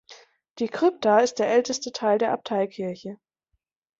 Die Krypta ist der älteste Teil der Abteikirche.